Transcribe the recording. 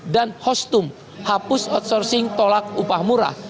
dan hostum hapus outsourcing tolak upah murah